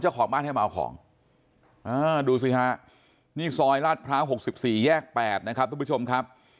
เจ้าของบ้านให้มาเอาของดูสิฮะนี่ซอยลาดพร้าว๖๔แยก๘นะครับทุกผู้ชมครับ